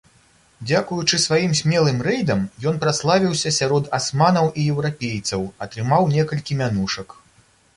Дзякуючы сваім смелым рэйдам ён праславіўся сярод асманаў і еўрапейцаў, атрымаў некалькі мянушак.